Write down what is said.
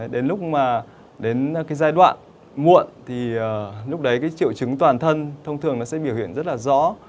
đến lúc mà đến cái giai đoạn muộn thì lúc đấy cái triệu chứng toàn thân thông thường nó sẽ biểu hiện rất là rõ